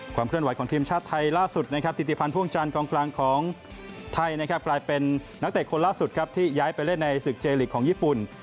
ความเคลื่อนไหวของทีมชาติไทยล่าสุดนะครับธิติพันธ์พ่วงจันทร์กองกลางของไทยนะครับกลายเป็นนักเตะคนล่าสุดครับที่ย้ายไปเล่นในศึกเจลีกของญี่ปุ่น